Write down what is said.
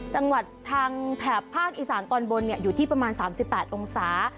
จังหวัดทางแถบภาคอีสานตอนบนอยู่ที่ประมาณ๓๘องศา